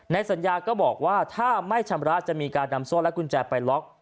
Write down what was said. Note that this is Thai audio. สัญญาก็บอกว่าถ้าไม่ชำระจะมีการนำโซ่และกุญแจไปล็อก